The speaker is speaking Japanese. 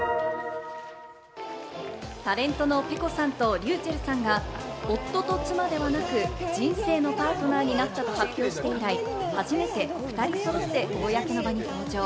タレントのｐｅｋｏさんとｒｙｕｃｈｅｌｌさんが夫と妻ではなく、人生のパートナーになったと発表して以来、初めて２人そろって公の場に登場。